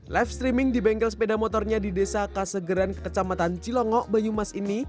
live streaming di bengkel sepeda motornya di desa kasegeran ke kecamatan cilongo bayu mas ini